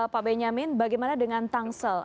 pak benyamin bagaimana dengan tangsel